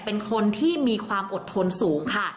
เป็นคนที่มีความอดทนสูงค่ะ